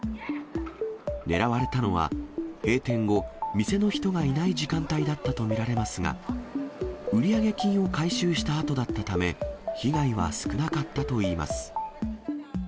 狙われたのは、閉店後、店の人がいない時間だったと見られますが、売上金を回収したあとだったため、被害は少なかったといいます。